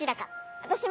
私も。